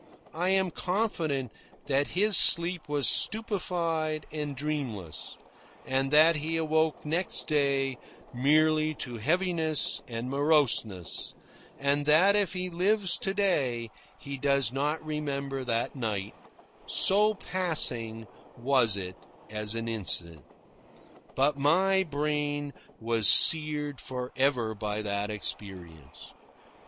I am confident that his sleep was stupefied and dreamless, and that he awoke next day merely to heaviness and moroseness, and that if he lives to day he does not remember that night, so passing was it as an incident. But my brain was seared for ever by that experience.